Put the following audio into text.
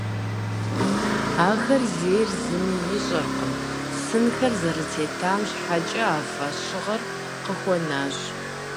Ахэр зейр зыми ищӏэркъым, сынхэр зэрытетам щхьэкӏэ а фӏэщыгъэр къыхуэнащ.